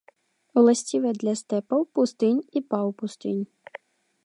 Уласцівыя для стэпаў, пустынь і паўпустынь.